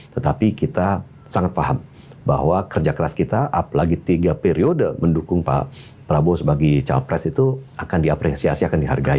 tetapi kita sangat paham bahwa kerja keras kita apalagi tiga periode mendukung pak prabowo sebagai capres itu akan diapresiasi akan dihargai